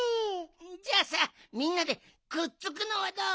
じゃあさみんなでくっつくのはどう？